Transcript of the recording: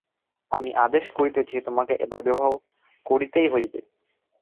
আমি আদেশ করিতেছি, তোমাকে এবার বিবাহ করিতেই হইবে।